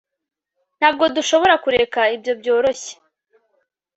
ntabwo dushobora kureka ibyo byoroshye